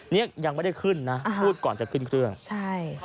ยังไม่ได้ขึ้นนะพูดก่อนจะขึ้นเครื่องใช่